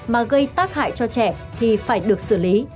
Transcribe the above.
mà gây tác hại cho trẻ thì phải được xử lý